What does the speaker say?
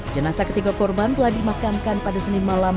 jenasa ketiga korban telah dimakamkan pada senin malam